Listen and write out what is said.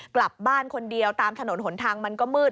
กลับบ้านคนเดียวตามถนนหนทางมันก็มืด